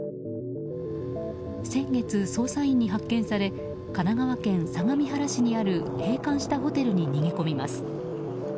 先月、捜査員に発見され神奈川県相模原市にある閉館したホテルに逃げ込みます。